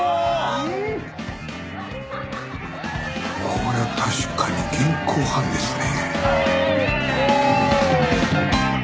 これは確かに現行犯ですね。